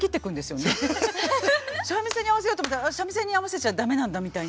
三味線に合わせようと思ったら三味線に合わせちゃダメなんだみたいな。